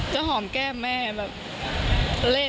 จะห่อแก้มแม่แบบเล่น